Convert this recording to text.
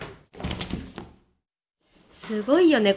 すごいよね